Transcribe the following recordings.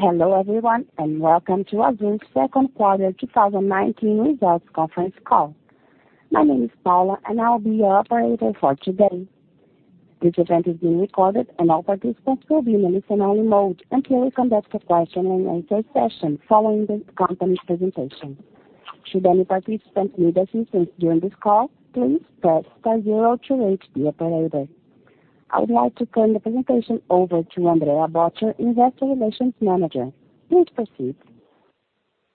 Hello, everyone, and welcome to Azul's second quarter 2019 results conference call. My name is Paula, and I'll be your operator for today. This event is being recorded, and all participants will be in listen-only mode until we conduct a question and answer session following the company's presentation. Should any participant need assistance during this call, please press star zero to reach the operator. I would like to turn the presentation over to Andrea Bottcher, Investor Relations Manager. Please proceed.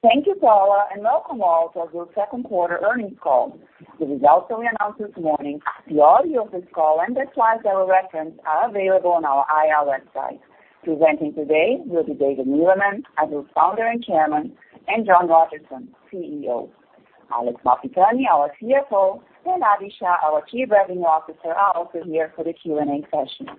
Thank you, Paula, and welcome all to Azul's second quarter earnings call. The results that we announced this morning, the audio of this call, and the slides that we reference are available on our IR website. Presenting today will be David Neeleman, Azul's Founder and Chairman, and John Rodgerson, CEO. Alexandre Malfitani, our CFO, and Abhi Shah, our Chief Revenue Officer, are also here for the Q&A session.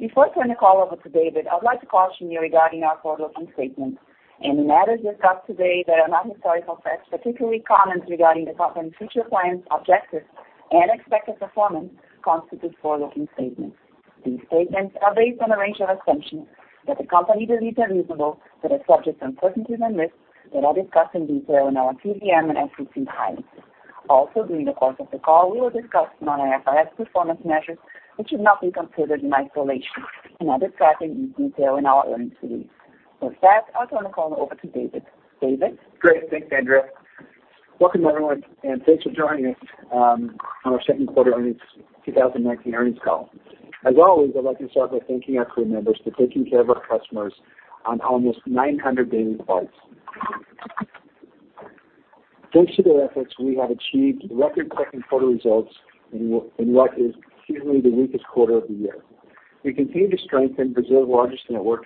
Before I turn the call over to David, I'd like to caution you regarding our forward-looking statements. Any matters discussed today that are not historical facts, particularly comments regarding the company's future plans, objectives, and expected performance, constitute forward-looking statements. These statements are based on a range of assumptions that the company believes are reasonable but are subject to uncertainties and risks that are discussed in detail in our CVM and SEC filings. Also, during the course of the call, we will discuss non-IFRS performance measures, which should not be considered in isolation and are discussed in detail in our earnings release. With that, I'll turn the call over to David. David? Great. Thanks, Andrea. Welcome, everyone, and thanks for joining us on our second quarter 2019 earnings call. As always, I'd like to start by thanking our crew members for taking care of our customers on almost 900 daily flights. Thanks to their efforts, we have achieved record-setting quarter results in what is usually the weakest quarter of the year. We continue to strengthen Brazil's largest network,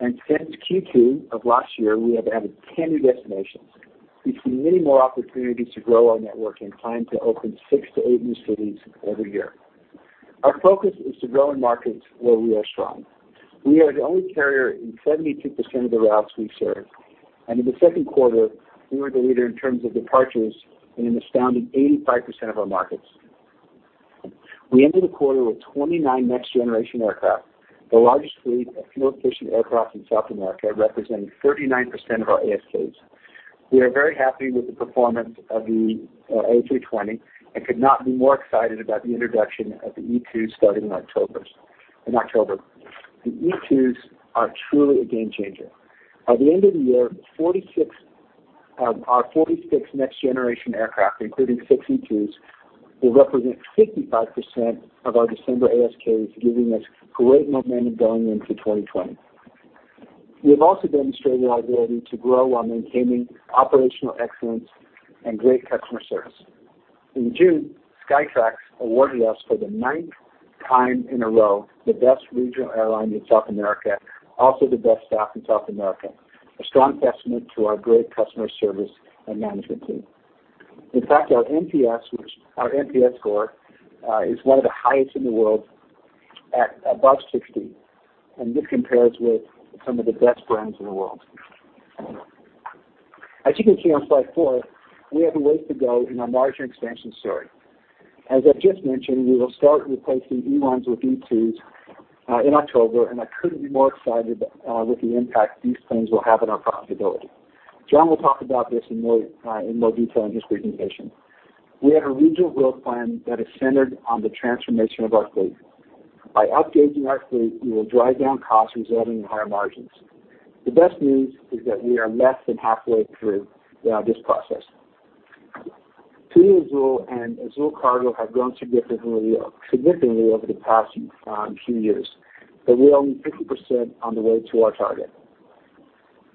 and since Q2 of last year, we have added 10 new destinations. We see many more opportunities to grow our network and plan to open six to eight new cities every year. Our focus is to grow in markets where we are strong. We are the only carrier in 72% of the routes we serve, and in the second quarter, we were the leader in terms of departures in an astounding 85% of our markets. We ended the quarter with 29 next-generation aircraft, the largest fleet of fuel-efficient aircraft in South America, representing 39% of our ASKs. We are very happy with the performance of the A320 and could not be more excited about the introduction of the E2 starting in October. The E2s are truly a game changer. By the end of the year, our 46 next-generation aircraft, including six E2s, will represent 55% of our December ASKs, giving us great momentum going into 2020. We have also demonstrated our ability to grow while maintaining operational excellence and great customer service. In June, Skytrax awarded us for the ninth time in a row, the Best Regional Airline in South America, also the Best Staff in South America, a strong testament to our great customer service and management team. In fact, our NPS score is one of the highest in the world at above 60, and this compares with some of the best brands in the world. As you can see on slide four, we have a ways to go in our margin expansion story. As I've just mentioned, we will start replacing E1s with E2s in October, and I couldn't be more excited with the impact these planes will have on our profitability. John will talk about this in more detail in his presentation. We have a regional growth plan that is centered on the transformation of our fleet. By upgauging our fleet, we will drive down costs, resulting in higher margins. The best news is that we are less than halfway through this process. Azul and Azul Cargo have grown significantly over the past few years, but we are only 50% on the way to our target.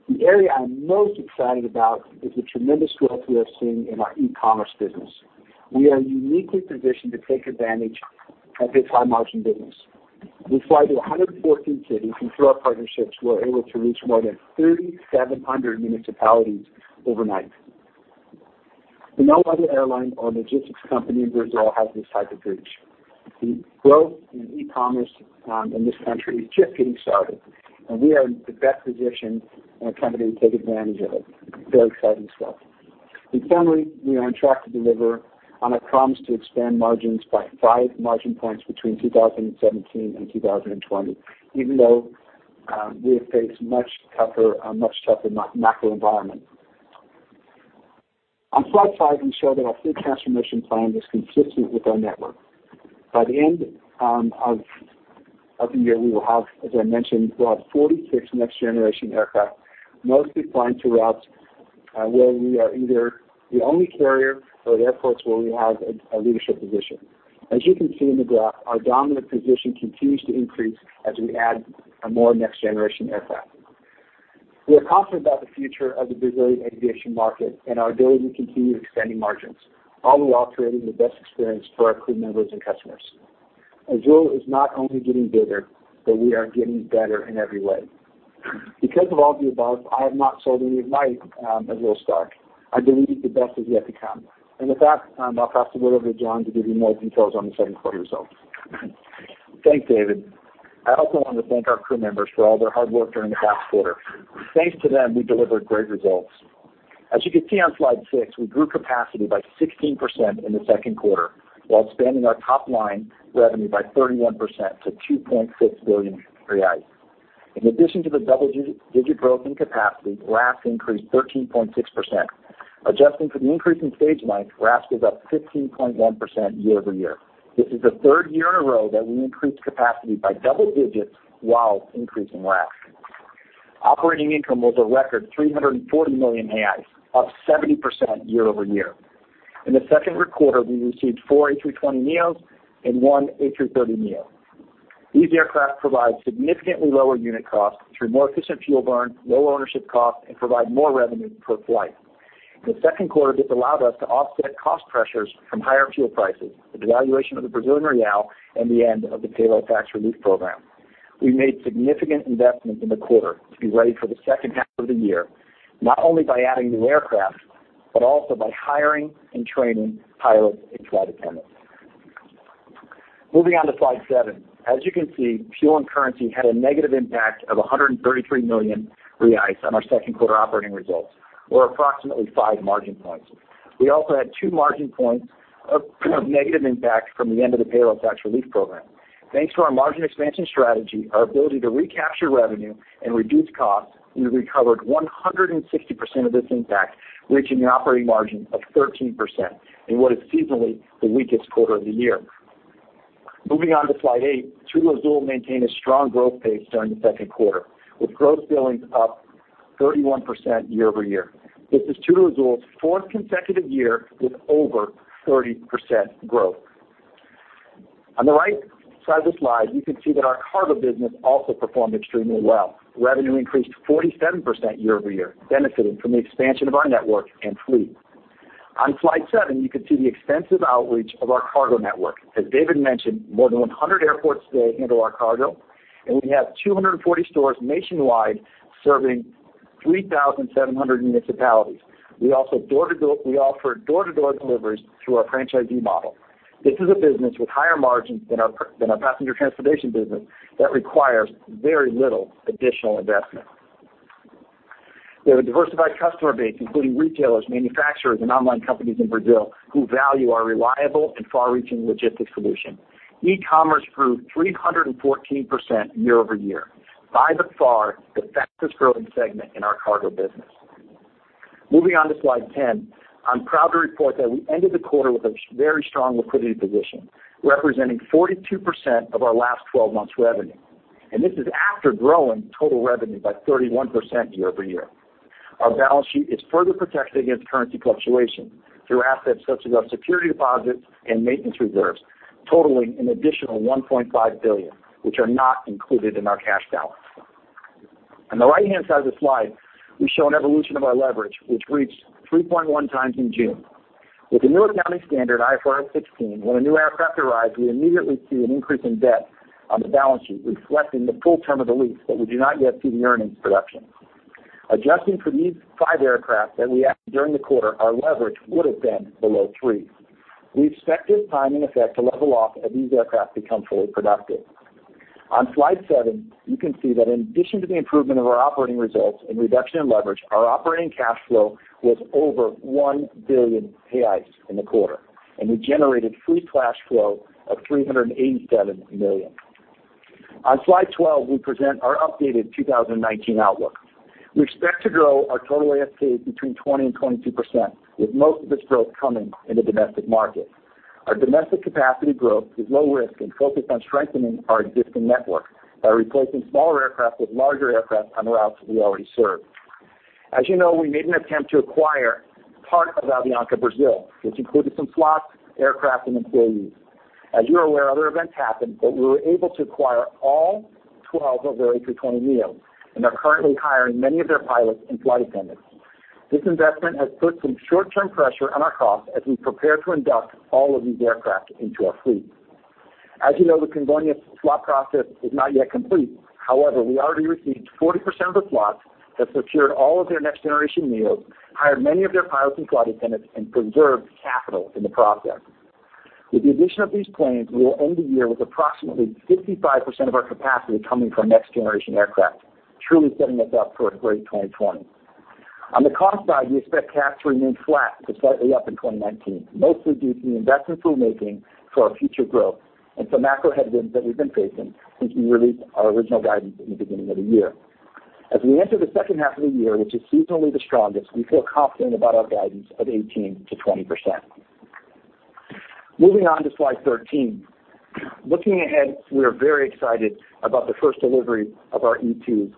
The area I'm most excited about is the tremendous growth we have seen in our e-commerce business. We are uniquely positioned to take advantage of this high-margin business. We fly to 114 cities, and through our partnerships, we are able to reach more than 3,700 municipalities overnight. No other airline or logistics company in Brazil has this type of reach. The growth in e-commerce in this country is just getting started, and we are in the best position and company to take advantage of it. Very exciting stuff. Finally, we are on track to deliver on our promise to expand margins by 5 margin points between 2017 and 2020, even though we have faced a much tougher macro environment. On slide five, we show that our fleet transformation plan is consistent with our network. By the end of the year, we will have, as I mentioned, brought 46 next-generation aircraft, mostly flying to routes where we are either the only carrier or the airports where we have a leadership position. As you can see in the graph, our dominant position continues to increase as we add more next-generation aircraft. We are confident about the future of the Brazilian aviation market and our ability to continue expanding margins, all while creating the best experience for our crew members and customers. Azul is not only getting bigger, but we are getting better in every way. Because of all the above, I have not sold any of my Azul stock. I believe the best is yet to come. With that, I'll pass it over to John to give you more details on the second quarter results. Thanks, David. I also want to thank our crew members for all their hard work during the past quarter. Thanks to them, we delivered great results. As you can see on slide six, we grew capacity by 16% in the second quarter while expanding our top-line revenue by 31% to 2.6 billion reais. In addition to the double-digit growth in capacity, RASK increased 13.6%. Adjusting for the increase in stage lengths, RASK was up 15.1% year-over-year. This is the third year in a row that we increased capacity by double digits while increasing RASK. Operating income was a record 340 million reais, up 70% year-over-year. In the second quarter, we received four A320neos and one A330neo. These aircraft provide significantly lower unit costs through more efficient fuel burn, low ownership costs, and provide more revenue per flight. In the second quarter, this allowed us to offset cost pressures from higher fuel prices, the devaluation of the Brazilian real, and the end of the payroll tax relief program. We made significant investments in the quarter to be ready for the second half of the year, not only by adding new aircraft, but also by hiring and training pilots and flight attendants. Moving on to slide seven. As you can see, fuel and currency had a negative impact of 133 million reais on our second quarter operating results, or approximately five margin points. We also had two margin points of negative impact from the end of the payroll tax relief program. Thanks to our margin expansion strategy, our ability to recapture revenue, and reduce costs, we recovered 160% of this impact, reaching an operating margin of 13% in what is seasonally the weakest quarter of the year. Moving on to slide eight. Azul maintained a strong growth pace during the second quarter, with gross billings up 31% year-over-year. This is Azul's fourth consecutive year with over 30% growth. On the right side of the slide, you can see that our cargo business also performed extremely well. Revenue increased 47% year-over-year, benefiting from the expansion of our network and fleet. On slide seven, you can see the extensive outreach of our cargo network. As David mentioned, more than 100 airports today handle our cargo, and we have 240 stores nationwide serving 3,700 municipalities. We offer door-to-door deliveries through our franchisee model. This is a business with higher margins than our passenger transportation business that requires very little additional investment. We have a diversified customer base, including retailers, manufacturers, and online companies in Brazil who value our reliable and far-reaching logistics solution. E-commerce grew 314% year-over-year, by far the fastest-growing segment in our cargo business. Moving on to slide 10. I'm proud to report that we ended the quarter with a very strong liquidity position, representing 42% of our last 12 months revenue. This is after growing total revenue by 31% year-over-year. Our balance sheet is further protected against currency fluctuation through assets such as our security deposits and maintenance reserves, totaling an additional 1.5 billion, which are not included in our cash balance. On the right-hand side of the slide, we show an evolution of our leverage, which reached 3.1 times in June. With the new accounting standard, IFRS 16, when a new aircraft arrives, we immediately see an increase in debt on the balance sheet, reflecting the full term of the lease, but we do not yet see the earnings production. Adjusting for these five aircraft that we added during the quarter, our leverage would have been below three. We expect this time and effect to level off as these aircraft become fully productive. On slide 11, you can see that in addition to the improvement of our operating results and reduction in leverage, our operating cash flow was over 1 billion in the quarter, and we generated free cash flow of 387 million. On slide 12, we present our updated 2019 outlook. We expect to grow our total ASKs between 20% and 22%, with most of this growth coming in the domestic market. Our domestic capacity growth is low risk and focused on strengthening our existing network by replacing smaller aircraft with larger aircraft on the routes we already serve. As you know, we made an attempt to acquire part of Avianca Brasil, which included some slots, aircraft, and employees. As you are aware, other events happened, but we were able to acquire all 12 of their A320neos and are currently hiring many of their pilots and flight attendants. This investment has put some short-term pressure on our costs as we prepare to induct all of these aircraft into our fleet. As you know, the Convênios swap process is not yet complete. However, we already received 40% of the slots that secured all of their next-generation neos, hired many of their pilots and flight attendants, and preserved capital in the process. With the addition of these planes, we will end the year with approximately 55% of our capacity coming from next-generation aircraft, truly setting us up for a great 2020. On the cost side, we expect CAPEX to remain flat to slightly up in 2019, mostly due to the investments we're making for our future growth and some macro headwinds that we've been facing since we released our original guidance in the beginning of the year. As we enter the second half of the year, which is seasonally the strongest, we feel confident about our guidance of 18%-20%. Moving on to slide 13. Looking ahead, we are very excited about the first delivery of our E2s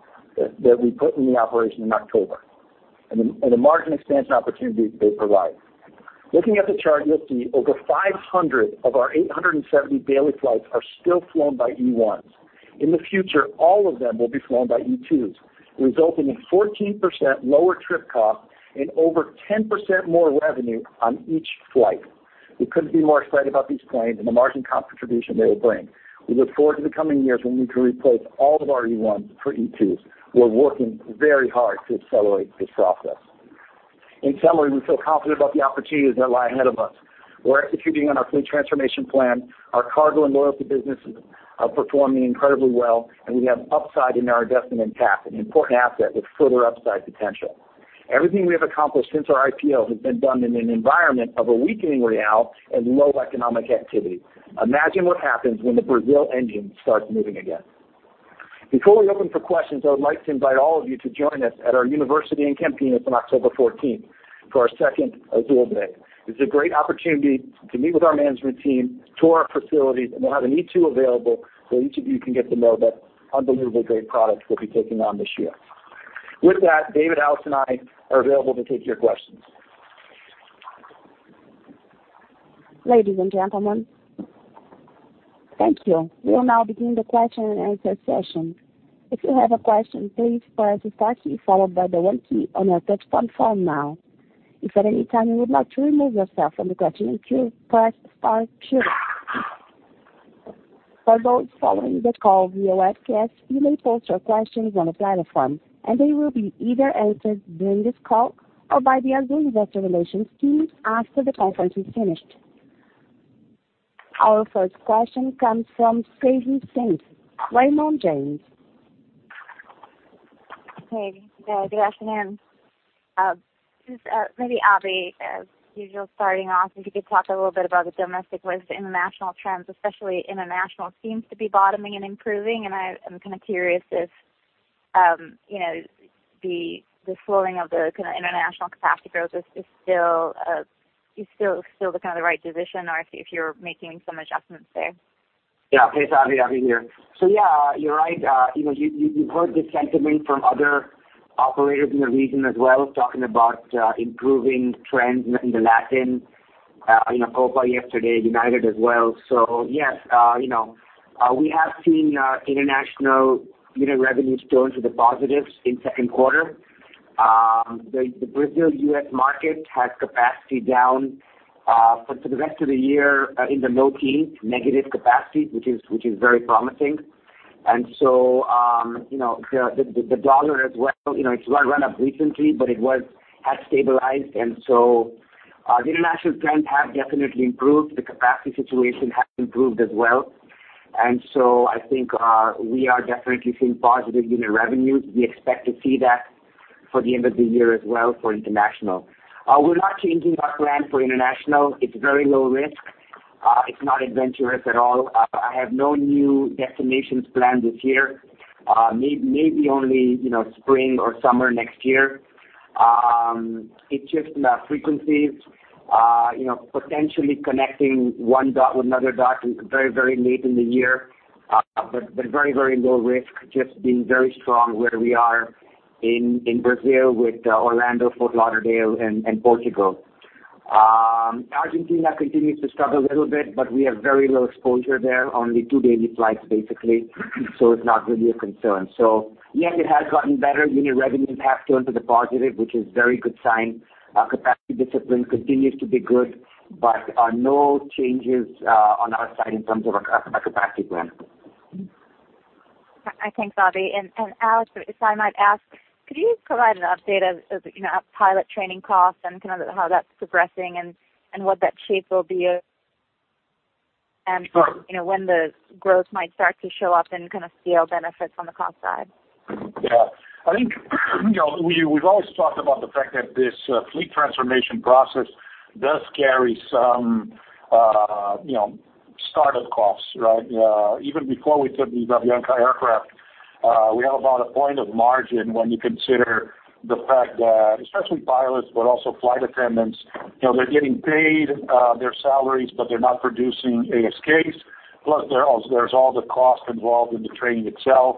that we put into operation in October and the margin expansion opportunities they provide. Looking at the chart, you'll see over 500 of our 870 daily flights are still flown by E1s. In the future, all of them will be flown by E2s, resulting in 14% lower trip cost and over 10% more revenue on each flight. We couldn't be more excited about these planes and the margin cost contribution they will bring. We look forward to the coming years when we can replace all of our E1s for E2s. We're working very hard to accelerate this process. In summary, we feel confident about the opportunities that lie ahead of us. We're executing on our fleet transformation plan. Our cargo and loyalty businesses are performing incredibly well, and we have upside in our investment in TAP, an important asset with further upside potential. Everything we have accomplished since our IPO has been done in an environment of a weakening real and low economic activity. Imagine what happens when the Brazil engine starts moving again. Before we open for questions, I would like to invite all of you to join us at our university in Campinas on October 14th for our second Azul Day. This is a great opportunity to meet with our management team, tour our facilities, and we'll have an E2 available where each of you can get to know that unbelievably great product we'll be taking on this year. With that, David, Ale, and I are available to take your questions. Ladies and gentlemen, thank you. We'll now begin the question and answer session. If you have a question, please press the star key followed by the one key on your touch-tone phone now. If at any time you would like to remove yourself from the questioning queue, press star two. For those following the call via webcast, you may post your questions on the platform, and they will be either answered during this call or by the Azul investor relations team after the conference is finished. Our first question comes from Savi Syth, Raymond James. Hey. Good afternoon. This is maybe Abhi. As usual, starting off, if you could talk a little bit about the domestic versus international trends, especially international seems to be bottoming and improving. I am kind of curious if the slowing of the international capacity growth is still the right decision or if you're making some adjustments there. Hey, it's Abhi. Abhi here. You're right. You've heard the sentiment from other operators in the region as well, talking about improving trends in the Latin. Copa yesterday, United as well. Yes, we have seen international unit revenues turn to the positives in the second quarter. The Brazil-U.S. market has capacity down for the rest of the year in the low teens, negative capacity, which is very promising. The dollar as well, it's run up recently, but it has stabilized. The international trend has definitely improved. The capacity situation has improved as well. I think we are definitely seeing positive unit revenues. We expect to see that for the end of the year as well for international. We're not changing our plan for international. It's very low risk. It's not adventurous at all. I have no new destinations planned this year. Maybe only spring or summer next year. It is just frequencies, potentially connecting one dot with another dot very late in the year. Very low risk, just being very strong where we are in Brazil with Orlando, Fort Lauderdale, and Portugal. Argentina continues to struggle a little bit, but we have very low exposure there, only two daily flights basically, so it's not really a concern. Yes, it has gotten better. Unit revenues have turned to the positive, which is a very good sign. Our capacity discipline continues to be good, but no changes on our side in terms of a capacity plan. Okay. Thanks, Abhi. Alexandre, if I might ask, could you provide an update of pilot training costs and how that's progressing and what that shape will be? Sure. When the growth might start to show up and scale benefits on the cost side? I think we've always talked about the fact that this fleet transformation process does carry some startup costs, right? Even before we took the Avianca aircraft, we have about a point of margin when you consider the fact that, especially pilots, but also flight attendants, they're getting paid their salaries, but they're not producing ASKs. There's all the costs involved in the training itself.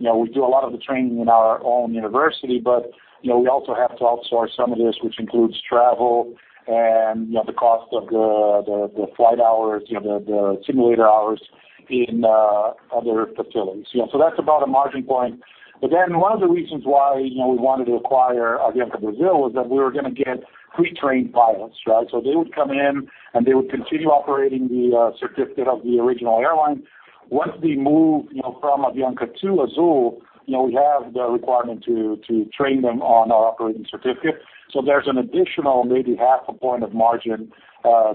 We do a lot of the training in our own university, but we also have to outsource some of this, which includes travel and the cost of the flight hours, the simulator hours in other facilities. That's about a margin point. One of the reasons why we wanted to acquire Avianca Brasil was that we were going to get pre-trained pilots, right? They would come in, and they would continue operating the certificate of the original airline. Once they move from Avianca to Azul, we have the requirement to train them on our operating certificate. There's an additional maybe half a point of margin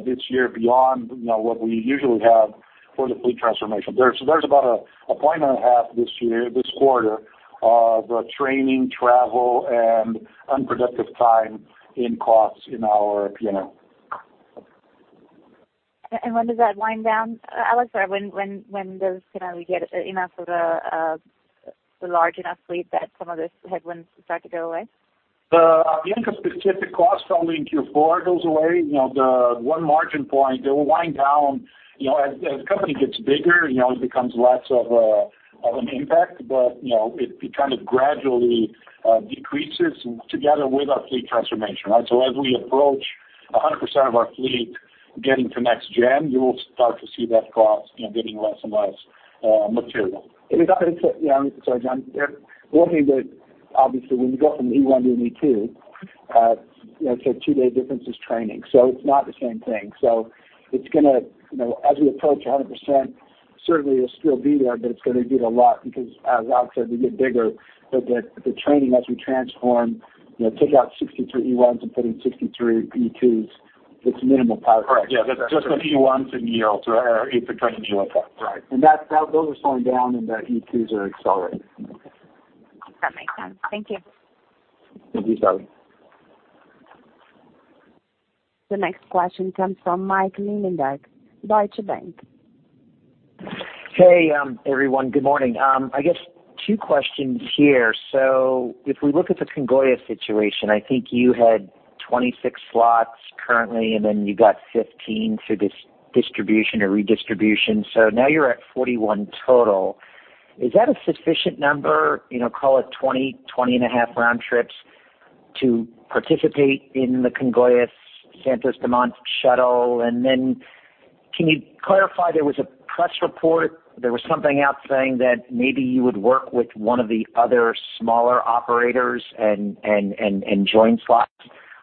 this year beyond what we usually have for the fleet transformation. There's about a point and a half this year, this quarter, of training, travel, and unproductive time in costs in our P&L. When does that wind down? Ale, sorry. When does we get enough of the large enough fleet that some of those headwinds start to go away? The Avianca-specific cost only in Q4 goes away. The one margin point, it will wind down. As the company gets bigger, it becomes less of an impact. It gradually decreases together with our fleet transformation, right? As we approach 100% of our fleet getting to next gen, you will start to see that cost getting less and less material. Sorry, John. One thing that obviously when you go from the E1 to an E2, the two-day difference is training. It's not the same thing. Certainly, it'll still be there, but it's going to get a lot because as Alex said, we get bigger, but the training as we transform, take out 63 E1s and put in 63 E2s, it's minimal pilot. Correct. Yeah. That's just the E1s in Azul, or if they're coming to Azul. Right. Those are slowing down, and the E2s are accelerating. That makes sense. Thank you. Thank you, Savi. The next question comes from Mike Linenberg, Deutsche Bank. Hey everyone. Good morning. I guess two questions here. If we look at the Congonhas situation, I think you had 26 slots currently, and then you got 15 through this distribution or redistribution. Now you're at 41 total. Is that a sufficient number, call it 20 and a half round trips to participate in the Congonhas Santos Dumont shuttle? Can you clarify, there was a press report, there was something out saying that maybe you would work with one of the other smaller operators and join slots.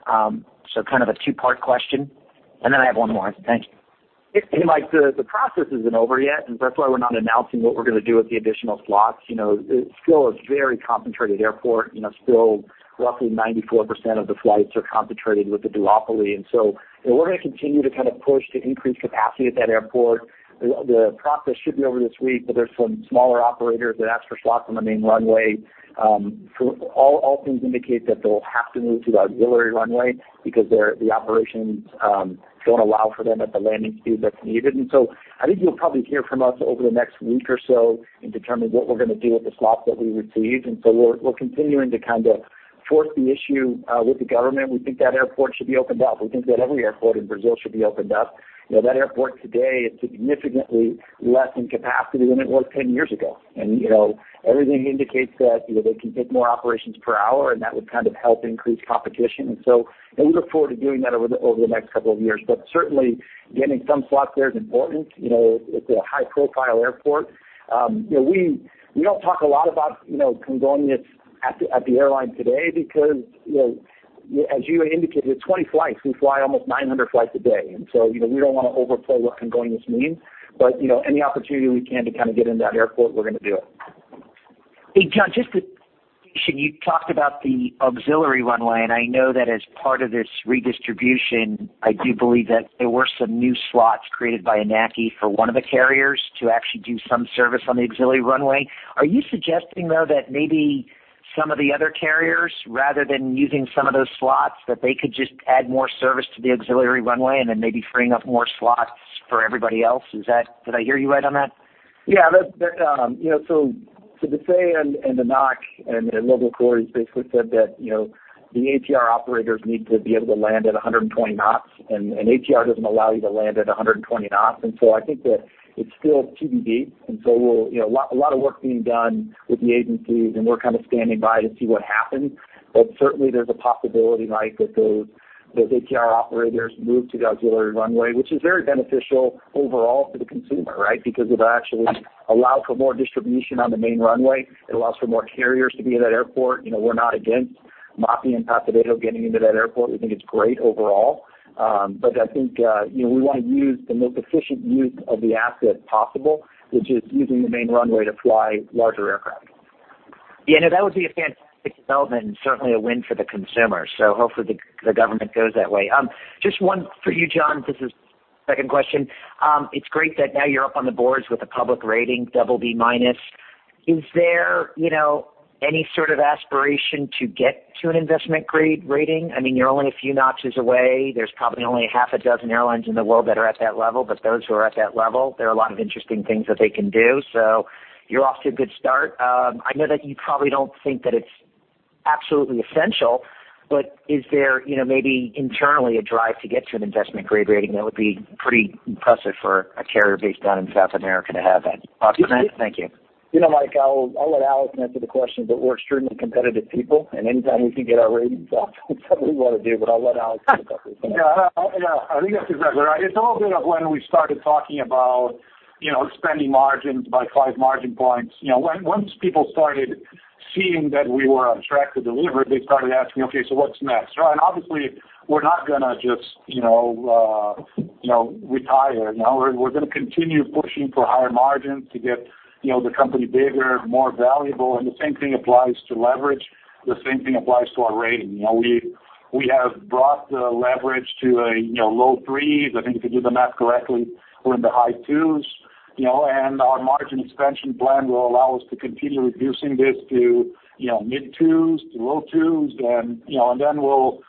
Kind of a two-part question. I have one more. Thank you. Hey, Mike, the process isn't over yet, and that's why we're not announcing what we're going to do with the additional slots. It still is a very concentrated airport. Still roughly 94% of the flights are concentrated with the duopoly, and so we're going to continue to kind of push to increase capacity at that airport. The process should be over this week, but there's some smaller operators that asked for slots on the main runway. All things indicate that they'll have to move to the auxiliary runway because the operations don't allow for them at the landing speed that's needed. I think you'll probably hear from us over the next week or so and determine what we're going to do with the slots that we received. We're continuing to force the issue with the government. We think that airport should be opened up. We think that every airport in Brazil should be opened up. That airport today is significantly less in capacity than it was 10 years ago. Everything indicates that they can take more operations per hour, and that would help increase competition. We look forward to doing that over the next couple of years. Certainly getting some slots there is important. It's a high-profile airport. We don't talk a lot about Congonhas at the airline today because as you had indicated, 20 flights, we fly almost 900 flights a day. We don't want to overplay what Congonhas means, but any opportunity we can to get into that airport, we're going to do it. Hey, John, you talked about the auxiliary runway, I know that as part of this redistribution, I do believe that there were some new slots created by ANAC for one of the carriers to actually do some service on the auxiliary runway. Are you suggesting, though, that maybe some of the other carriers, rather than using some of those slots, that they could just add more service to the auxiliary runway and then maybe freeing up more slots for everybody else? Did I hear you right on that? DECEA and ANAC and the local authorities basically said that the ATR operators need to be able to land at 120 knots, ATR doesn't allow you to land at 120 knots. I think that it's still TBD, a lot of work being done with the agencies, and we're kind of standing by to see what happens. Certainly, there's a possibility, Mike, that those ATR operators move to the auxiliary runway, which is very beneficial overall for the consumer, right? Because it'll actually allow for more distribution on the main runway. It allows for more carriers to be at that airport. We're not against MAP and Tapajós getting into that airport. We think it's great overall. I think we want to use the most efficient use of the asset possible, which is using the main runway to fly larger aircraft. That would be a fantastic development and certainly a win for the consumer. Hopefully the government goes that way. Just one for you, John. This is the second question. It is great that now you are up on the boards with a public rating, double B minus. Is there any sort of aspiration to get to an investment-grade rating? You are only a few notches away. There is probably only half a dozen airlines in the world that are at that level. Those who are at that level, there are a lot of interesting things that they can do. You are off to a good start. I know that you probably do not think that it is absolutely essential, but is there maybe internally a drive to get to an investment-grade rating? That would be pretty impressive for a carrier based down in South America to have that. You know, Mike- Thank you Mike, I'll let Alex answer the question, but we're extremely competitive people, and anytime we can get our ratings up, we want to do, but I'll let Alex pick up. Yeah. I think that's exactly right. It's a little bit of when we started talking about expanding margins by five margin points. Once people started seeing that we were on track to deliver, they started asking, "Okay, so what's next?" Right? Obviously, we're not going to just retire. We're going to continue pushing for higher margins to get the company bigger, more valuable. The same thing applies to leverage. The same thing applies to our rating. We have brought the leverage to a low 3s. I think if you do the math correctly, we're in the high 2s. Our margin expansion plan will allow us to continue reducing this to mid-2s, to low 2s, and then we'll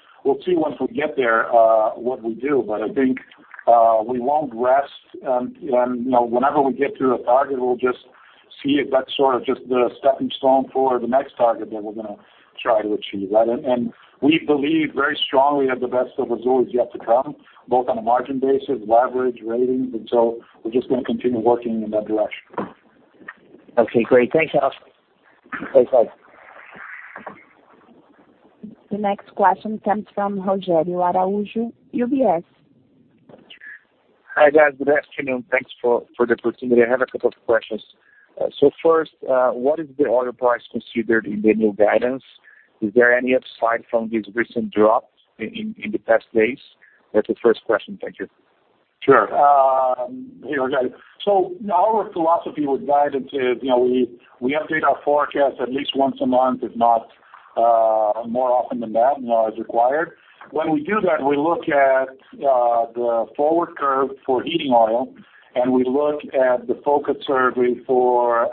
see once we get there what we do. I think we won't rest, and whenever we get to a target, we'll just see if that's sort of just the stepping stone for the next target that we're going to try to achieve. We believe very strongly that the best of Azul is yet to come, both on a margin basis, leverage, ratings, and so we're just going to continue working in that direction. Okay, great. Thanks, Alex. Thanks, Mike. The next question comes from Rogério Araújo, UBS. Hi, guys. Good afternoon. Thanks for the opportunity. I have a couple of questions. First, what is the oil price considered in the new guidance? Is there any upside from this recent drop in the past days? That's the first question. Thank you. Sure. Our philosophy with guidance is, we update our forecast at least once a month, if not more often than that as required. When we do that, we look at the forward curve for heating oil, and we look at the focus survey for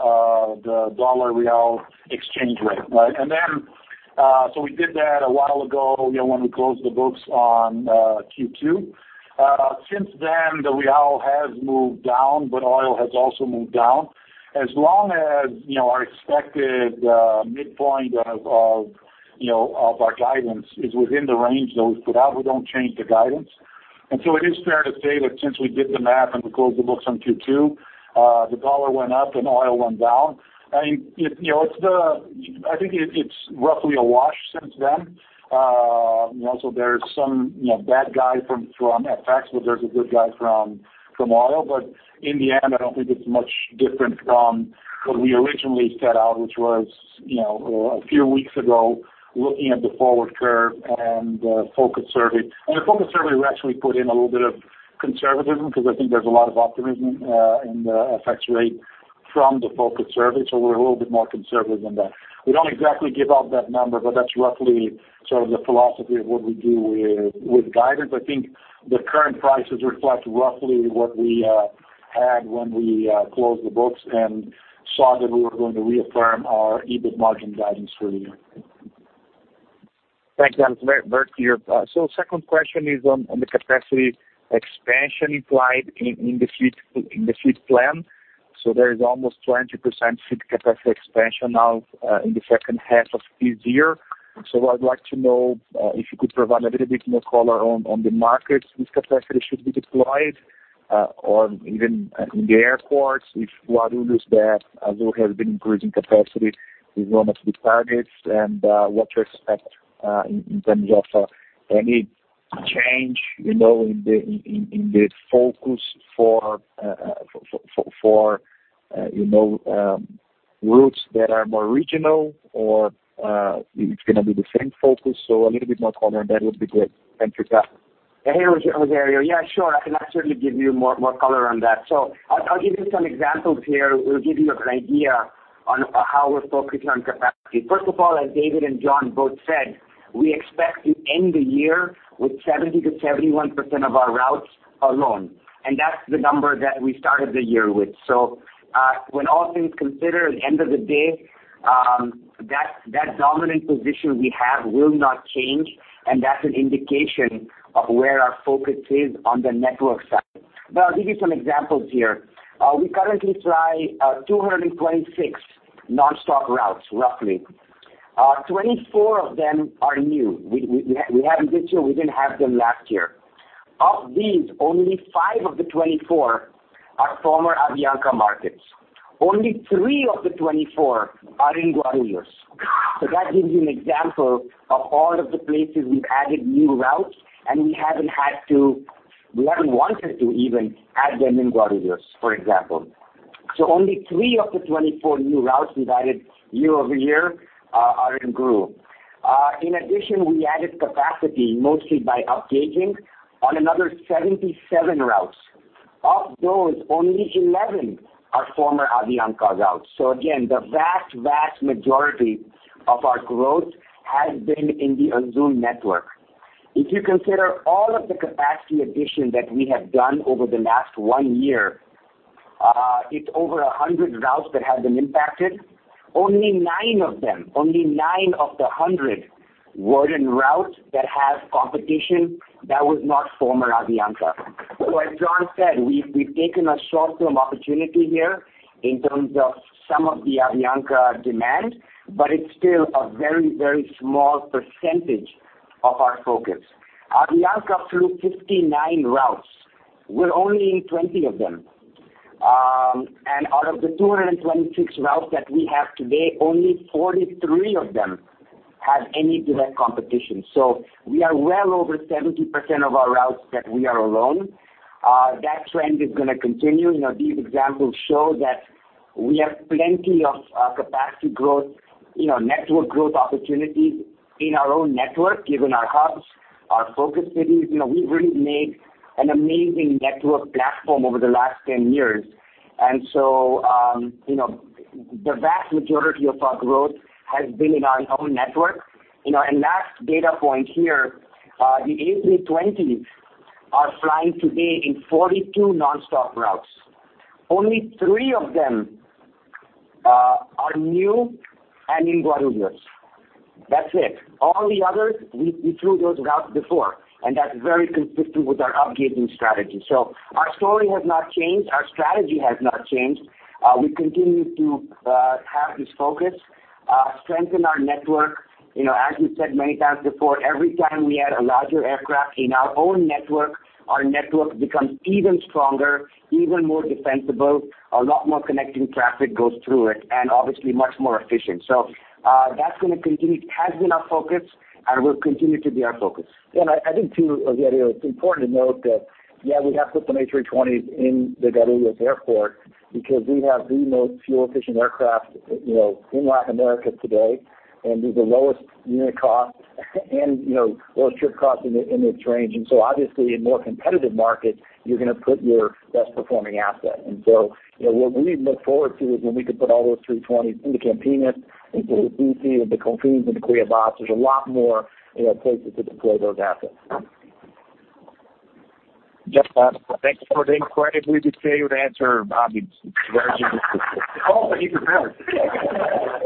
the dollar Real exchange rate. We did that a while ago when we closed the books on Q2. Since then, the Real has moved down, but oil has also moved down. As long as our expected midpoint of our guidance is within the range that we put out, we don't change the guidance. It is fair to say that since we did the math and we closed the books on Q2, the dollar went up and oil went down. I think it's roughly a wash since then. There's some bad guy from FX, but there's a good guy from oil. In the end, I don't think it's much different from what we originally set out, which was a few weeks ago, looking at the forward curve and the focus survey. The focus survey, we actually put in a little bit of conservatism because I think there's a lot of optimism in the FX rate from the focus survey. We're a little bit more conservative than that. We don't exactly give out that number, but that's roughly sort of the philosophy of what we do with guidance. I think the current prices reflect roughly what we had when we closed the books and saw that we were going to reaffirm our EBIT margin guidance for the year. Thanks, John. It's very clear. Second question is on the capacity expansion applied in the fleet plan. There is almost 20% fleet capacity expansion now in the second half of this year. I'd like to know if you could provide a little bit more color on the markets this capacity should be deployed, or even in the airports, if Guarulhos that Azul has been increasing capacity is one of the targets and what to expect in terms of any change in the focus for routes that are more regional or it's going to be the same focus. A little bit more color on that would be great. Thank you. Hey, Rogério. Yeah, sure. I can actually give you more color on that. I'll give you some examples here. We'll give you an idea on how we're focusing on capacity. First of all, as David and John both said, we expect to end the year with 70%-71% of our routes alone, and that's the number that we started the year with. When all things considered, at the end of the day, that dominant position we have will not change, and that's an indication of where our focus is on the network side. I'll give you some examples here. We currently fly 226 nonstop routes, roughly. 24 of them are new. We didn't have them last year. Of these, only five of the 24 are former Avianca markets. Only three of the 24 are in Guarulhos. That gives you an example of all of the places we've added new routes, and we haven't wanted to even add them in Guarulhos, for example. Only three of the 24 new routes we've added year-over-year are in Gru. In addition, we added capacity mostly by upgauging on another 77 routes. Of those, only 11 are former Avianca routes. Again, the vast majority of our growth has been in the Azul network. If you consider all of the capacity addition that we have done over the last one year, it's over 100 routes that have been impacted. Only nine of them, only nine of the 100 were in routes that have competition that was not former Avianca. As John said, we've taken a short-term opportunity here in terms of some of the Avianca demand, but it's still a very small percentage of our focus. Avianca flew 59 routes. We're only in 20 of them. Out of the 226 routes that we have today, only 43 of them have any direct competition. We are well over 70% of our routes that we are alone. That trend is going to continue. These examples show that we have plenty of capacity growth, network growth opportunities in our own network, given our hubs, our focus cities. We've really made an amazing network platform over the last 10 years. The vast majority of our growth has been in our own network. Last data point here, the A320 are flying today in 42 nonstop routes. Only three of them are new and in Guarulhos. That's it. All the others, we flew those routes before, that's very consistent with our upgauging strategy. Our story has not changed, our strategy has not changed. We continue to have this focus strengthen our network. As we said many times before, every time we add a larger aircraft in our own network, our network becomes even stronger, even more defensible, a lot more connecting traffic goes through it, and obviously much more efficient. That's going to continue, has been our focus, and will continue to be our focus. I think, too, Rogério, it's important to note that, yeah, we have put some A320s in the Guarulhos airport because we have the most fuel-efficient aircraft in Latin America today, and with the lowest unit cost and lowest trip cost in this range. Obviously in more competitive markets, you're going to put your best-performing asset. What we look forward to is when we can put all those 320s into Campinas, into Recife, into Confins, into Cuiaba. There's a lot more places to deploy those assets. Just ask. Thanks for the incredibly detailed answer, Abhi. Oh, but he prepared.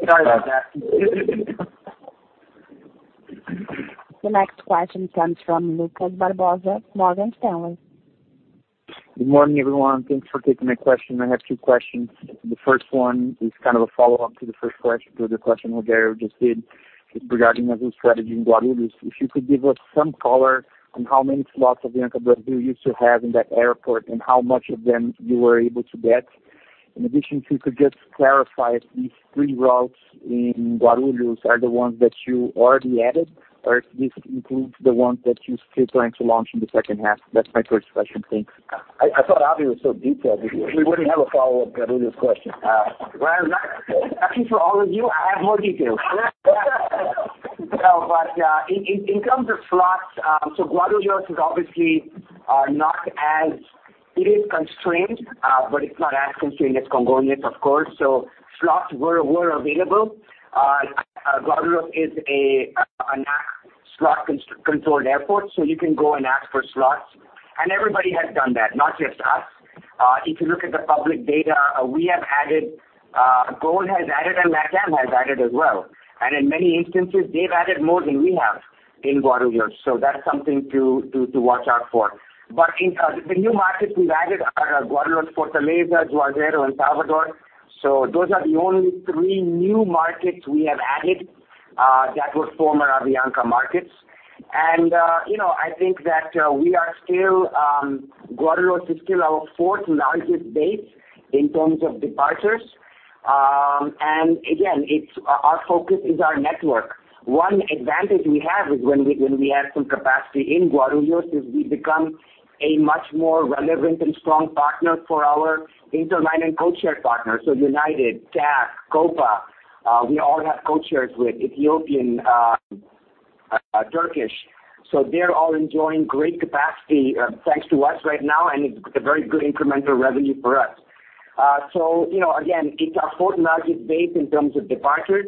Sorry about that. The next question comes from Lucas Barbosa, Morgan Stanley. Good morning, everyone. Thanks for taking my question. I have two questions. The first one is kind of a follow-up to the first question, to the question Rogério just did regarding Azul's strategy in Guarulhos. If you could give us some color on how many slots Avianca Brasil used to have in that airport, and how much of them you were able to get. In addition, if you could just clarify, these three routes in Guarulhos are the ones that you already added, or if this includes the ones that you're still trying to launch in the second half. That's my first question. Thanks. I thought Abhi was so detailed, we wouldn't have a follow-up Guarulhos question. Well, actually, for all of you, I have more details. In terms of slots, Guarulhos is obviously not as constrained, but it's not as constrained as Congonhas, of course. Slots were available. Guarulhos is a non-slot-controlled airport, you can go and ask for slots. Everybody has done that, not just us. If you look at the public data, we have added, GOL has added, and LATAM has added as well. In many instances, they've added more than we have in Guarulhos, that's something to watch out for. The new markets we've added are Guarulhos, Fortaleza, Juazeiro and Salvador. Those are the only three new markets we have added that were former Avianca markets. I think that we are still, Guarulhos is still our fourth-largest base in terms of departures. Again, our focus is our network. One advantage we have is when we add some capacity in Guarulhos, is we become a much more relevant and strong partner for our interline and codeshare partners. United, TAP, Copa, we all have codeshares with Ethiopian, Turkish. They're all enjoying great capacity thanks to us right now, and it's a very good incremental revenue for us. Again, it's our fourth-largest base in terms of departures.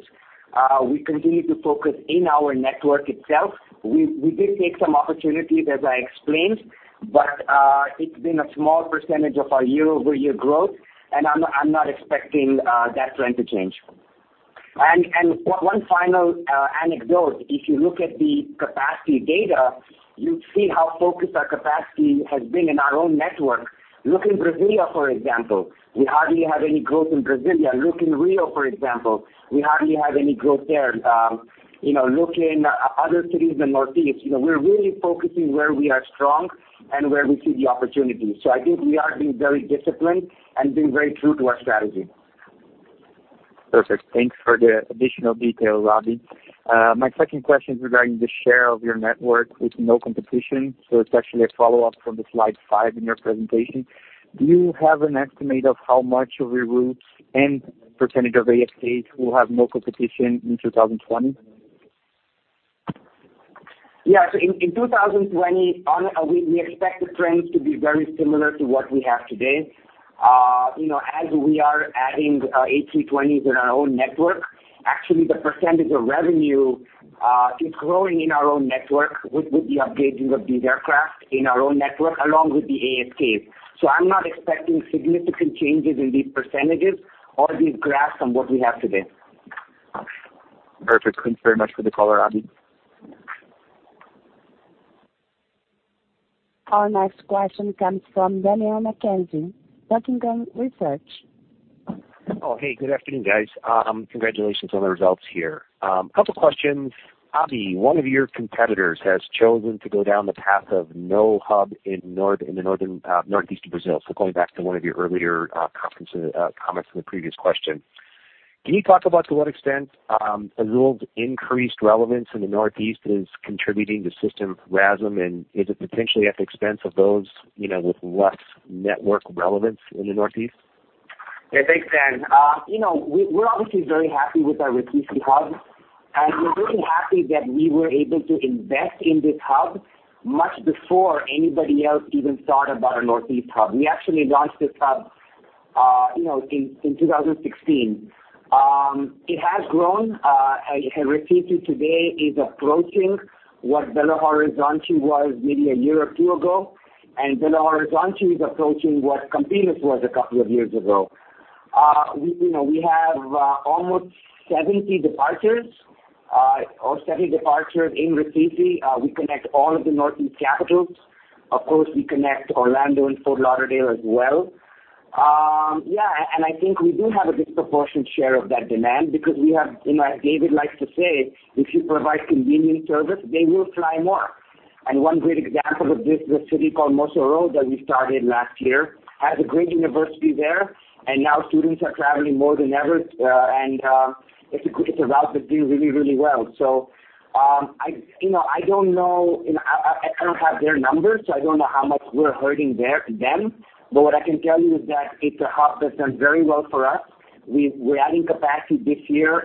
We continue to focus in our network itself. We did take some opportunities, as I explained, but it's been a small percentage of our year-over-year growth, and I'm not expecting that trend to change. One final anecdote, if you look at the capacity data, you'd see how focused our capacity has been in our own network. Look in Brasília, for example. We hardly have any growth in Brasília. Look in Rio, for example. We hardly have any growth there. Look in other cities in the Northeast. We're really focusing where we are strong and where we see the opportunities. I think we are being very disciplined and being very true to our strategy. Perfect. Thanks for the additional detail, Abhi. My second question is regarding the share of your network with no competition. It's actually a follow-up from the slide five in your presentation. Do you have an estimate of how much of your routes and % of ASKs will have no competition in 2020? Yeah. In 2020, we expect the trends to be very similar to what we have today. As we are adding A320s in our own network, actually the percentage of revenue is growing in our own network with the upgrading of these aircraft in our own network, along with the ASKs. I'm not expecting significant changes in these percentages or these graphs from what we have today. Perfect. Thanks very much for the color, Abhi. Our next question comes from Daniel McKenzie, Buckingham Research. Hey, good afternoon, guys. Congratulations on the results here. Couple questions. Abhi, one of your competitors has chosen to go down the path of no hub in the Northeastern Brazil. Going back to one of your earlier comments from the previous question. Can you talk about to what extent Azul's increased relevance in the Northeast is contributing to system RASM, and is it potentially at the expense of those with less network relevance in the Northeast? Thanks, Dan. We're obviously very happy with our Recife hub, and we're very happy that we were able to invest in this hub much before anybody else even thought about a Northeast hub. We actually launched this hub in 2016. It has grown. Recife today is approaching what Belo Horizonte was maybe a year or two ago, and Belo Horizonte is approaching what Campinas was a couple of years ago. We have almost 70 departures in Recife. We connect all of the Northeast capitals. Of course, we connect Orlando and Fort Lauderdale as well. Yeah, I think we do have a disproportionate share of that demand because we have, as David likes to say, if you provide convenient service, they will fly more. One great example of this is a city called Mossoró that we started last year. It has a great university there, now students are traveling more than ever, and it's a route that's doing really well. I don't have their numbers, so I don't know how much we're hurting them. What I can tell you is that it's a hub that's done very well for us. We're adding capacity this year,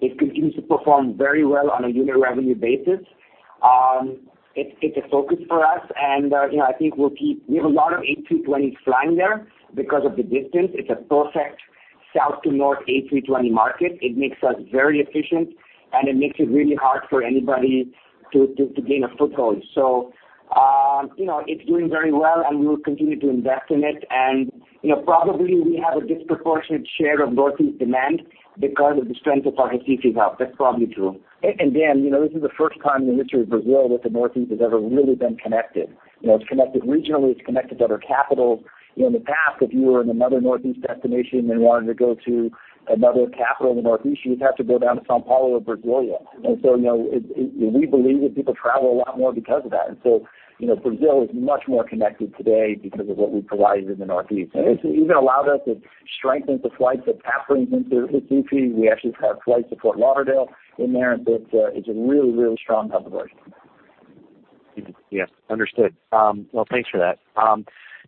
it continues to perform very well on a unit revenue basis. It's a focus for us, I think we have a lot of A320s flying there because of the distance. It's a perfect south-to-north A320 market. It makes us very efficient, it makes it really hard for anybody to gain a foothold. It's doing very well, we will continue to invest in it. Probably we have a disproportionate share of Northeast demand because of the strength of our Recife hub. That's probably true. Dan, this is the first time in the history of Brazil that the Northeast has ever really been connected. It's connected regionally. It's connected to other capitals. In the past, if you were in another Northeast destination and wanted to go to another capital in the Northeast, you would have to go down to São Paulo or Brasília. We believe that people travel a lot more because of that. Brazil is much more connected today because of what we provide in the Northeast. It's even allowed us to strengthen the flights that tap into Recife. We actually have flights to Fort Lauderdale in there, and it's a really strong hub for us. Yes. Understood. Well, thanks for that.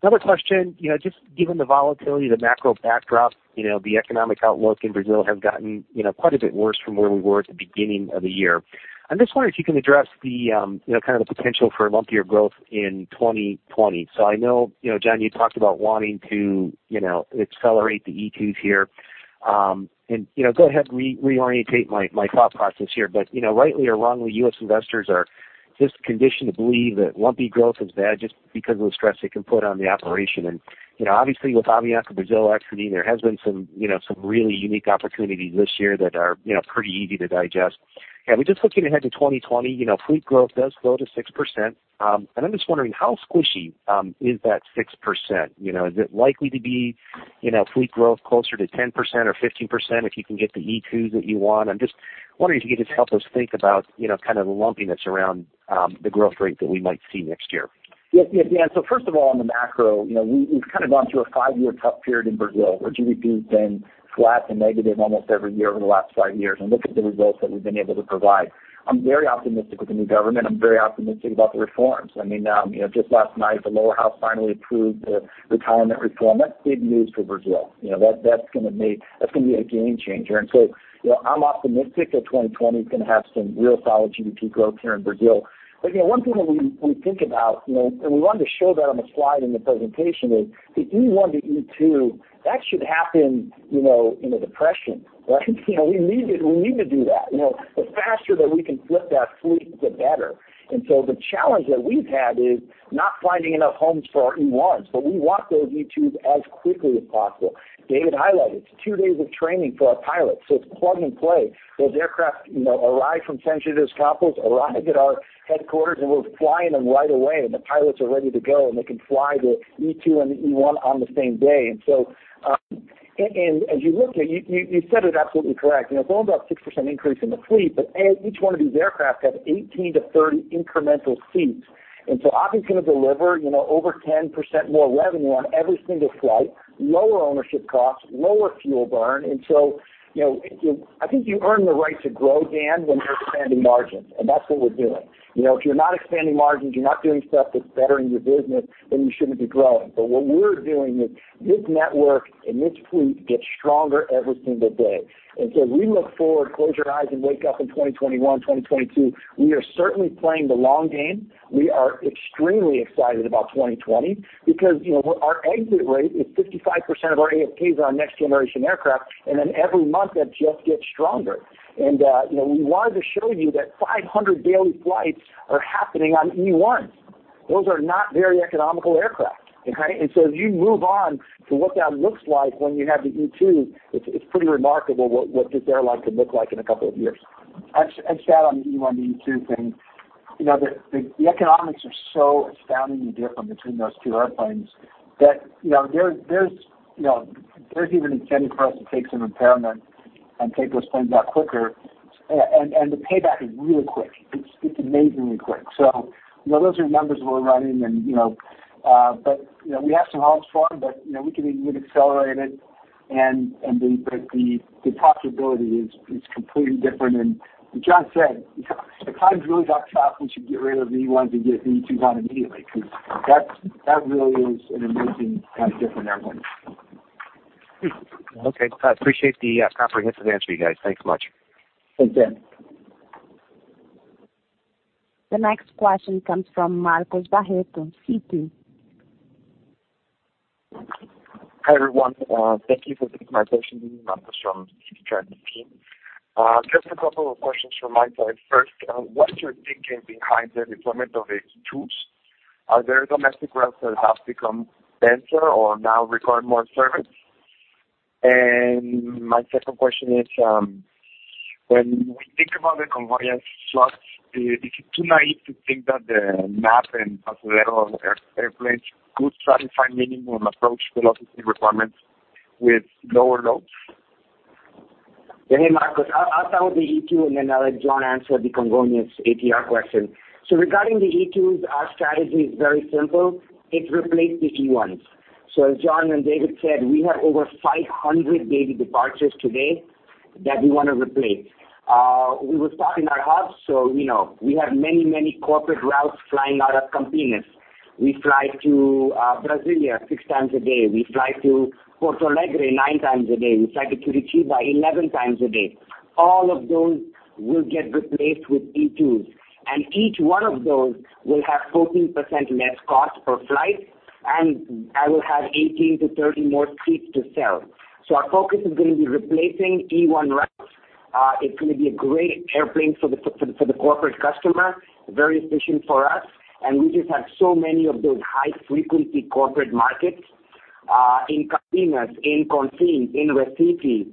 Another question. Just given the volatility, the macro backdrop, the economic outlook in Brazil has gotten quite a bit worse from where we were at the beginning of the year. I am just wondering if you can address the potential for lumpier growth in 2020. I know, John, you talked about wanting to accelerate the E2s here. Go ahead and reorientate my thought process here, but rightly or wrongly, U.S. investors are just conditioned to believe that lumpy growth is bad just because of the stress it can put on the operation. Obviously with Avianca Brasil exiting, there has been some really unique opportunities this year that are pretty easy to digest. We are just looking ahead to 2020. Fleet growth does slow to 6%, and I am just wondering how squishy is that 6%? Is it likely to be fleet growth closer to 10% or 15% if you can get the E2s that you want? I'm just wondering if you could just help us think about the lumpiness around the growth rate that we might see next year. Yeah. First of all, on the macro, we've gone through a 5-year tough period in Brazil where GDP has been flat to negative almost every year over the last 5 years, and look at the results that we've been able to provide. I'm very optimistic with the new government. I'm very optimistic about the reforms. Just last night, the lower house finally approved the retirement reform. That's big news for Brazil. That's going to be a game changer. I'm optimistic that 2020 is going to have some real solid GDP growth here in Brazil. One thing that we think about, and we wanted to show that on the slide in the presentation, is the E1 to E2, that should happen in a depression, right? We need to do that. The faster that we can flip that fleet, the better. The challenge that we've had is not finding enough homes for our E1s, but we want those E2s as quickly as possible. David highlighted, it's two days of training for our pilots, so it's plug and play. Those aircraft arrive from Saint-Nazaire, France, arrive at our headquarters, and we're flying them right away, and the pilots are ready to go, and they can fly the E2 and the E1 on the same day. You said it absolutely correct. It's only about a 6% increase in the fleet, but each one of these aircraft have 18 to 30 incremental seats. Azul's going to deliver over 10% more revenue on every single flight, lower ownership costs, lower fuel burn. I think you earn the right to grow, Dan, when you're expanding margins, and that's what we're doing. If you're not expanding margins, you're not doing stuff that's bettering your business, then you shouldn't be growing. What we're doing is this network and this fleet gets stronger every single day. We look forward, close your eyes and wake up in 2021, 2022. We are certainly playing the long game. We are extremely excited about 2020 because our exit rate is 55% of our ASKs are our next-generation aircraft, and then every month that just gets stronger. We wanted to show you that 500 daily flights are happening on E-Jet. Those are not very economical aircraft. Okay? As you move on to what that looks like when you have the E-Jet E2, it's pretty remarkable what this airline can look like in a couple of years. I'd add on the E1, E2 thing. The economics are so astoundingly different between those two airplanes that there's even an incentive for us to take some impairment and take those planes out quicker, and the payback is really quick. It's amazingly quick. Those are numbers we're running, but we have some hogs for now, but we could even accelerate it, but the profitability is completely different. As John said, if times really got tough, we should get rid of the E1s and get E2s on immediately because that really is an amazing kind of different airplane. Okay. I appreciate the comprehensive answer, you guys. Thanks so much. Thanks, Dan. The next question comes from Marcos Barreto, Citi. Hi, everyone. Thank you for taking my question. This is Marcos from Citi team. Just a couple of questions from my side. First, what's your thinking behind the deployment of E2s? Are there domestic routes that have become denser or now require more service? My second question is, when we think about the Congonhas slots, is it too naive to think that the E9 and Passaredo airplanes could satisfy minimum approach velocity requirements with lower loads? Hey, Marcos. I'll start with the E2, and then I'll let John answer the Congonhas ATR question. Regarding the E2s, our strategy is very simple. It's replace the E1s. As John and David said, we have over 500 daily departures today that we want to replace. We were stuck in our hubs, we have many corporate routes flying out of Campinas. We fly to Brasília six times a day. We fly to Porto Alegre nine times a day. We fly to Curitiba 11 times a day. All of those will get replaced with E2s, and each one of those will have 14% less cost per flight, and I will have 18 to 30 more seats to sell. Our focus is going to be replacing E1 routes. It's going to be a great airplane for the corporate customer, very efficient for us, and we just have so many of those high-frequency corporate markets, in Campinas, in Confins, in Recife,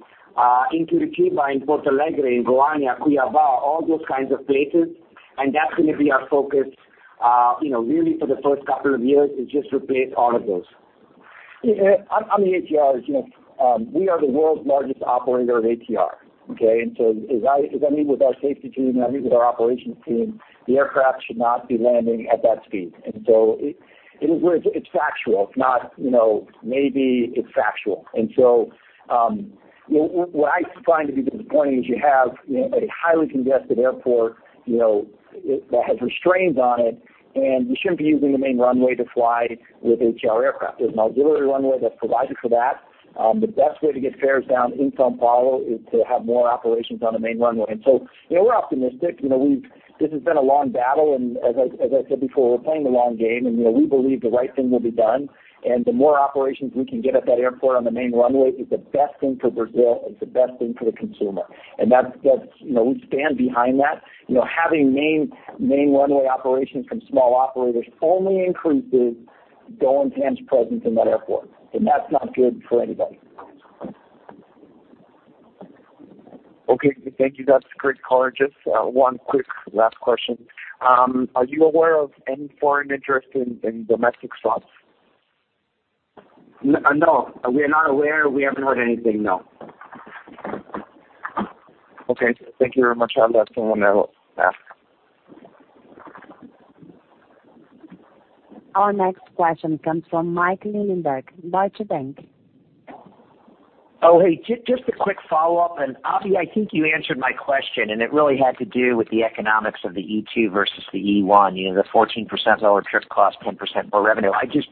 in Curitiba, in Porto Alegre, in Goiânia, Cuiabá, all those kinds of places. That's going to be our focus really for the first couple of years, is just replace all of those. On the ATRs, we are the world's largest operator of ATR. Okay? As I meet with our safety team, and I meet with our operations team, the aircraft should not be landing at that speed. It's factual. It's not maybe. It's factual. What I find to be disappointing is you have a highly congested airport that has restraints on it, and you shouldn't be using the main runway to fly with ATR aircraft. There's an auxiliary runway that's provided for that. The best way to get fares down in São Paulo is to have more operations on the main runway. We're optimistic. This has been a long battle, and as I said before, we're playing the long game, and we believe the right thing will be done. The more operations we can get at that airport on the main runway is the best thing for Brazil, it's the best thing for the consumer. We stand behind that. Having main runway operations from small operators only increases GOL and TAM's presence in that airport, and that's not good for anybody. Okay. Thank you. That's great color. Just one quick last question. Are you aware of any foreign interest in domestic slots? No, we are not aware. We haven't heard anything, no. Okay. Thank you very much. I'll let someone else ask. Our next question comes from Mike Linenberg, Deutsche Bank. Oh, hey, just a quick follow-up, and Abhi, I think you answered my question, and it really had to do with the economics of the E2 versus the E1, the 14% lower trip cost, 10% more revenue. I just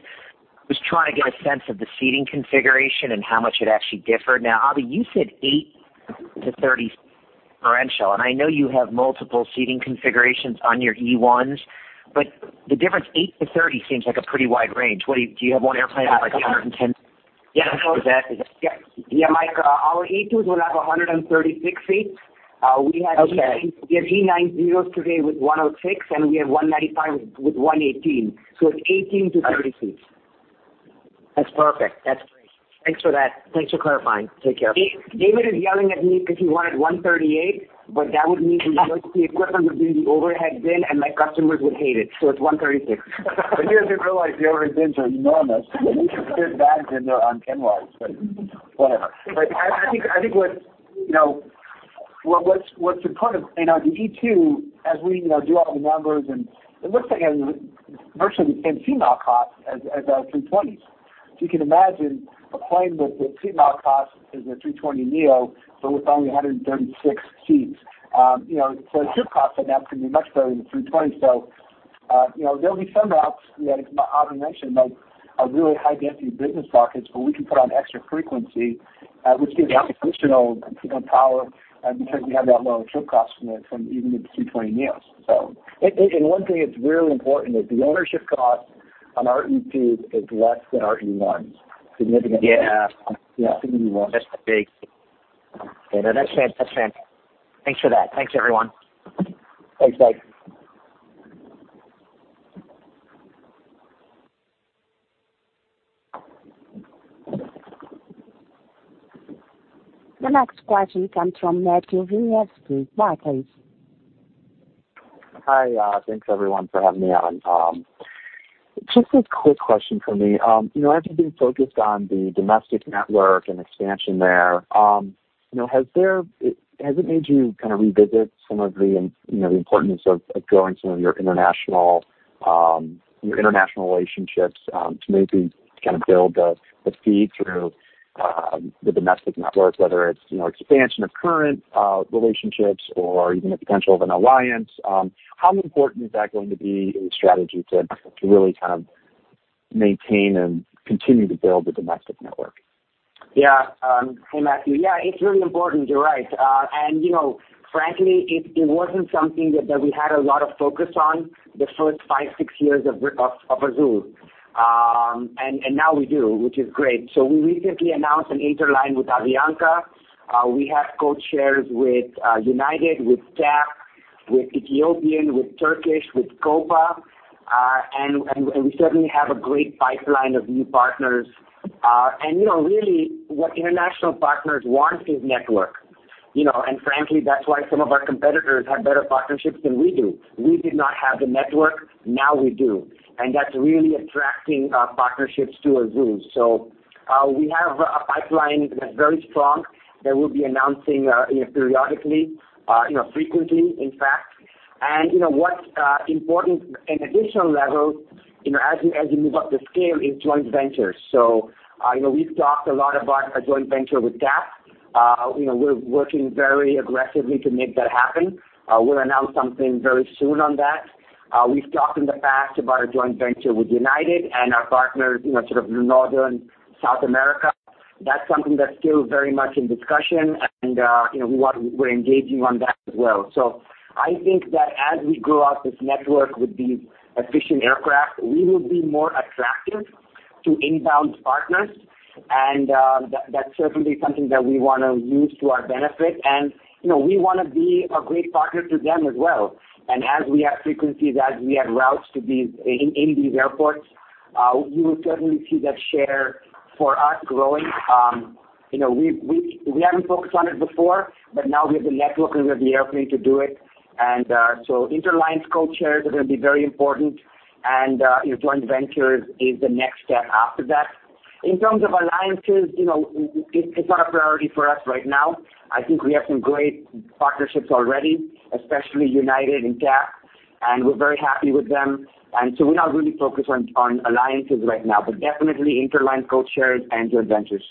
was trying to get a sense of the seating configuration and how much it actually differed. Abhi, you said eight to 30 differential, and I know you have multiple seating configurations on your E1s. The difference eight to 30 seems like a pretty wide range. Do you have one airplane that has 110? Yeah. Is that. Yeah. Yeah, Mike, our E2s will have 136 seats. Okay. We have E90s today with 106, and we have 195 with 118. It's 18-30 seats. That's perfect. That's great. Thanks for that. Thanks for clarifying. Take care. David is yelling at me because he wanted 138, but that would mean we would put the equipment in the overhead bin, and my customers would hate it. It's 136. He doesn't realize the overhead bins are enormous. You can fit bags in there on its end, but whatever. I think what's important in the E2, as we do all the numbers, and it looks like virtually the same C-mile cost as our 320s. You can imagine a plane with a C-mile cost as a 320neo, but with only 136 seats. The trip cost on that is going to be much better than the 320s. There'll be some routes that Abhi mentioned, like really high density business markets where we can put on extra frequency, which gives us additional power because we have that low trip cost from even the 320neos. One thing that's really important is the ownership cost on our E2s is less than our E1s. Significantly. Yeah. Yeah. That's big. Okay, that's fantastic. Thanks for that. Thanks, everyone. Thanks, Mike. The next question comes from Matthew West, Barclays. Hi. Thanks everyone for having me on. Just a quick question for me. As you've been focused on the domestic network and expansion there, has it made you kind of revisit some of the importance of growing some of your international relationships, to maybe kind of build the feed through the domestic network, whether it's expansion of current relationships or even the potential of an alliance? How important is that going to be in the strategy to really kind of maintain and continue to build the domestic network? Hey, Matthew. It's really important. You're right. Frankly, it wasn't something that we had a lot of focus on the first five, six years of Azul. Now we do, which is great. We recently announced an interline with Avianca. We have codeshares with United, with TAP, with Ethiopian, with Turkish, with Copa, and we certainly have a great pipeline of new partners. Really what international partners want is network. Frankly, that's why some of our competitors have better partnerships than we do. We did not have the network. Now we do. That's really attracting partnerships to Azul. We have a pipeline that's very strong that we'll be announcing periodically, frequently, in fact. What's important, an additional level, as you move up the scale is joint ventures. We've talked a lot about a joint venture with TAP. We're working very aggressively to make that happen. We'll announce something very soon on that. We've talked in the past about a joint venture with United and our partners, sort of Northern South America. That's something that's still very much in discussion and we're engaging on that as well. I think that as we grow out this network with the efficient aircraft, we will be more attractive to inbound partners. That's certainly something that we want to use to our benefit. We want to be a great partner to them as well. As we add frequencies, as we add routes in these airports, you will certainly see that share for us growing. We haven't focused on it before, but now we have the network and we have the airplane to do it. Interline code shares are going to be very important and joint ventures is the next step after that. In terms of alliances, it's not a priority for us right now. I think we have some great partnerships already, especially United and TAP, and we're very happy with them. We're not really focused on alliances right now, but definitely interline code shares and joint ventures.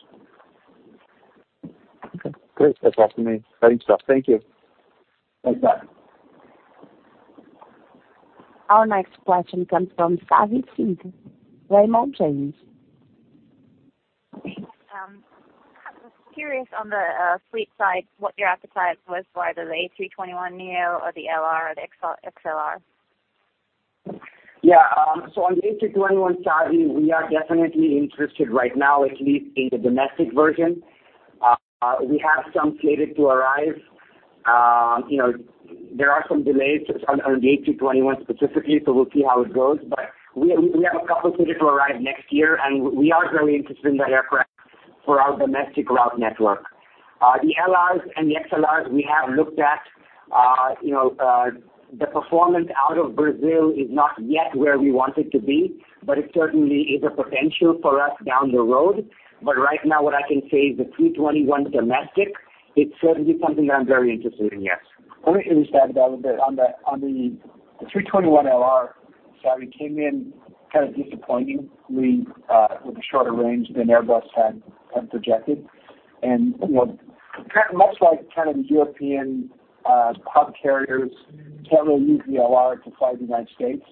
Okay, great. That's awesome. Very interesting. Thank you. Thanks, Tom. Our next question comes from Sava Syth, Raymond James. Great. I was curious on the fleet side, what your appetite was for either the A321neo or the LR or the XLR? Yeah. On the A321, Savi, we are definitely interested right now, at least in the domestic version. We have some slated to arrive. There are some delays on the A321 specifically, so we'll see how it goes, but we have a couple slated to arrive next year, and we are very interested in that aircraft for our domestic route network. The LRs and the XLRs we have looked at. The performance out of Brazil is not yet where we want it to be, but it certainly is a potential for us down the road. Right now what I can say is the 321 domestic, it's certainly something that I'm very interested in, yes. Let me add to that a little bit. On the A321LR, Savi, came in kind of disappointingly with a shorter range than Airbus had projected. Much like kind of the European hub carriers can't really use the LR to fly to the United States,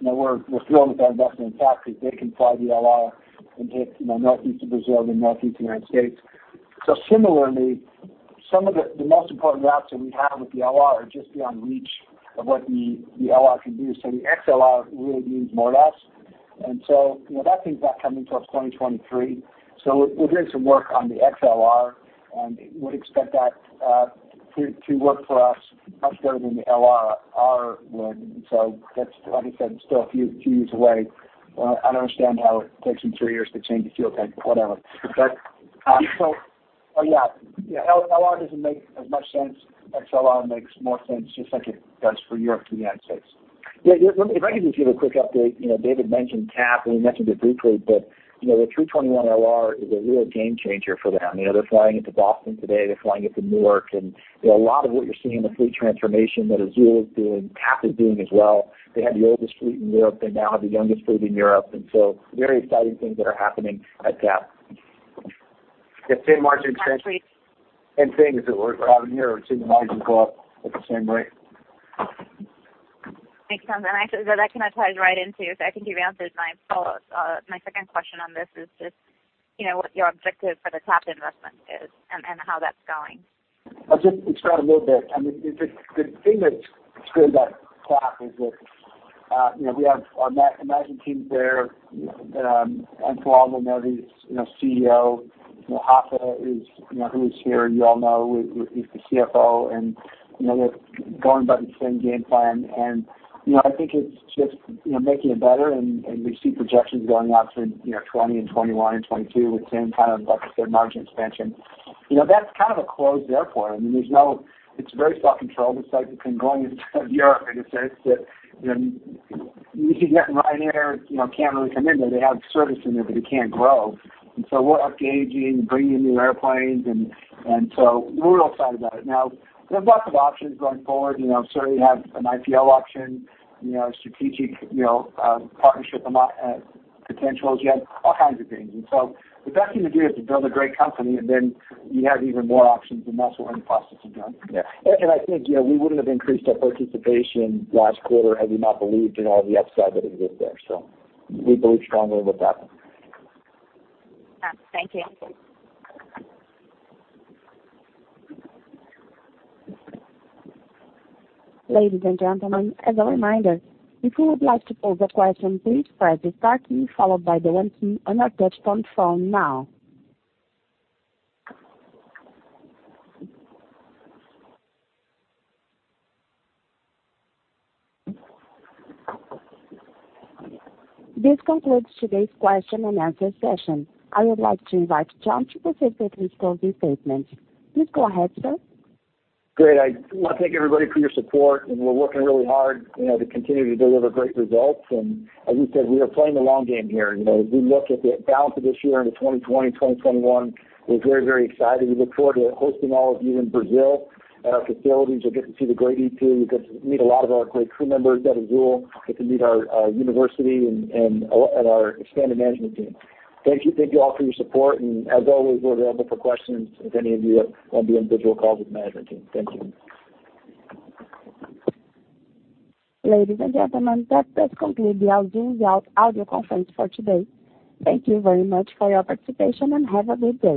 we're thrilled with our investment in TAP because they can fly the LR and hit Northeast of Brazil and Northeast of the United States. Similarly, some of the most important routes that we have with the LR are just beyond reach of what the LR can do. The XLR really means more to us. That thing's not coming until 2023. We're doing some work on the XLR and would expect that to work for us much better than the LR would. That's, like I said, still a few years away. I don't understand how it takes them three years to change the fuel tank, but whatever. LR doesn't make as much sense. XLR makes more sense just like it does for Europe to the United States. Yeah. If I could just give a quick update. David mentioned TAP, and we mentioned it briefly, but the A321LR is a real game changer for them. They're flying it to Boston today. They're flying it to Newark. A lot of what you're seeing in the fleet transformation that Azul is doing, TAP is doing as well. They had the oldest fleet in Europe. They now have the youngest fleet in Europe. Very exciting things that are happening at TAP. The same margin trend. Same thing as it were for Azul here, we're seeing the margins go up at the same rate. Makes sense. Actually, that kind of ties right into, so I think you've answered my follow-up. My second question on this is just what your objective for the TAP investment is and how that's going. I'll just add a little bit. I mean, the thing that's good about TAP is that we have our management team there. Antonoaldo Neves, CEO, Rafa, who is here, you all know, he's the CFO. They're going by the same game plan. I think it's just making it better. We see projections going out through 2020 and 2021 and 2022 with same kind of, like I said, margin expansion. That's kind of a closed airport. I mean, it's very self-controlled. It's like going into Europe in a sense that even Ryanair can't really come in there. They have service in there, but they can't grow. We're engaging, bringing in new airplanes and so we're real excited about it. Now, there are lots of options going forward. Certainly have an IPO option, strategic partnership potentials yet, all kinds of things. The best thing to do is to build a great company, and then you have even more options, and that's what we're in the process of doing. Yeah. I think we wouldn't have increased our participation last quarter had we not believed in all the upside that exists there. We believe strongly with that. Yeah. Thank you. Ladies and gentlemen, as a reminder, if you would like to pose a question, please press the star key followed by the one key on your touchtone phone now. This concludes today's question and answer session. I would like to invite John to proceed with his closing statements. Please go ahead, sir. Great. I want to thank everybody for your support, and we're working really hard to continue to deliver great results. As we said, we are playing the long game here. As we look at the balance of this year into 2020, 2021, we're very, very excited. We look forward to hosting all of you in Brazil at our facilities. You'll get to see the great E2. You'll get to meet a lot of our great crew members at Azul, get to meet our university and our expanded management team. Thank you all for your support, and as always, we're available for questions if any of you want to be on virtual calls with management team. Thank you. Ladies and gentlemen, that does conclude the Azul's audio conference for today. Thank you very much for your participation, and have a good day.